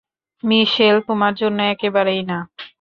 মিশেল, তোমার জন্য একেবারেই না।